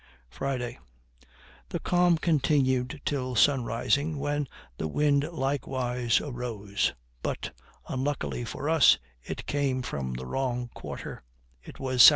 Friday. The calm continued till sun rising, when the wind likewise arose, but unluckily for us it came from a wrong quarter; it was S.S.